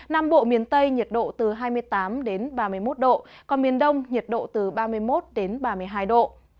nam bộ miền tây nhiệt độ từ hai mươi tám đến ba mươi một độ còn miền đông nhiệt độ từ ba mươi một đến ba mươi hai độ